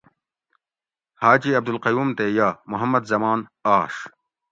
حاجی عبدالقیوم تے یہ (محمد زمان) آش